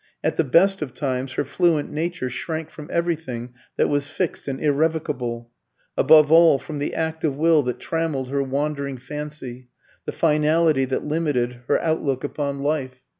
At the best of times her fluent nature shrank from everything that was fixed and irrevocable above all from the act of will that trammelled her wandering fancy, the finality that limited her outlook upon life.